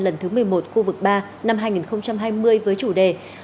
lần thứ một mươi một khu vực ba năm hai nghìn hai mươi với chủ đề